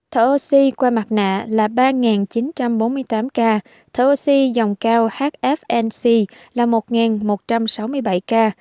thở oxy qua mặt nạ là ba chín trăm bốn mươi tám ca thở oxy dòng cao hfnc là một một trăm sáu mươi bảy ca